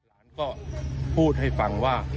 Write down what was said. หลานก็พูดให้ฟังว่า